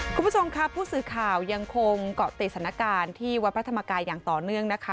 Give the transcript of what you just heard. คุณผู้ชมค่ะผู้สื่อข่าวยังคงเกาะติดสถานการณ์ที่วัดพระธรรมกายอย่างต่อเนื่องนะคะ